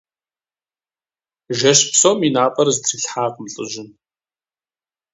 Жэщ псом и напӀэр зэтрилъхьакъым лӀыжьым.